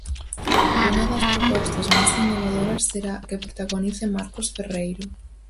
Unha das propostas máis innovadoras será a que protagonice Marcos Ferreiro.